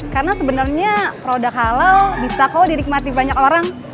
karena sebenarnya produk halal bisa kok didikmati banyak orang